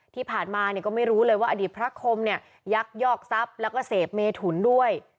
ที่ผ่านมาเนี่ยก็ไม่รู้เลยว่าอดีตพระคมเนี่ยยักยอกทรัพย์แล้วก็เสพเมถุนด้วย